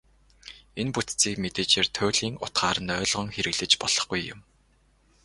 Энэ бүтцийг мэдээжээр туйлын утгаар нь ойлгон хэрэглэж болохгүй юм.